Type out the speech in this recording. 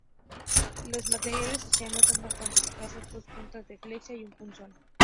Los materiales óseos son bastante escasos: dos puntas de flecha y un punzón.